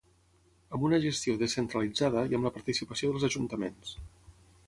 amb una gestió descentralitzada i amb la participació dels ajuntaments